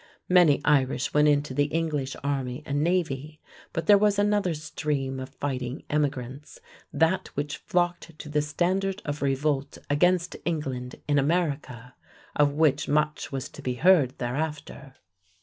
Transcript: Many Irish went into the English army and navy, but there was another stream of fighting emigrants, that which flocked to the standard of revolt against England in America, of which much was to be heard thereafter.